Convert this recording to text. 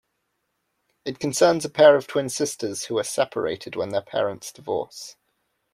It concerns a pair of twin sisters who are separated, when their parents divorce.